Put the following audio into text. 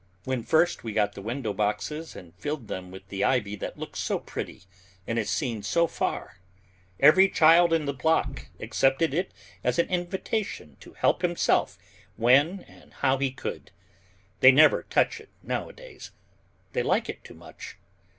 When first we got window boxes and filled them with the ivy that looks so pretty and is seen so far, every child in the block accepted it as an invitation to help himself when and how he could. They never touch it nowadays. They like it too much.